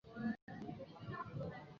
担任福建省人民检察院副检察长。